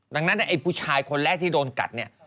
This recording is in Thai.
ดังนั้นไอ้ผู้ชายคนแรกที่โดนกัดเนี่ย